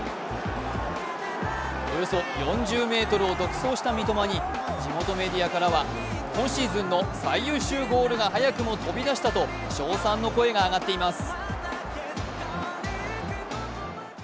およそ４０ｍを独走した三笘に地元メディアからは今シーズンの最優秀ゴールが、早くも飛び出したと称賛の声が上がっています。